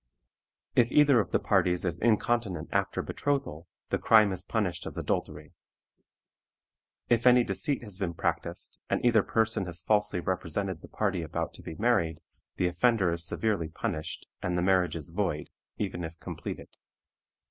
If either of the parties is incontinent after betrothal, the crime is punished as adultery. If any deceit has been practiced, and either person has falsely represented the party about to be married, the offender is severely punished, and the marriage is void, even if completed.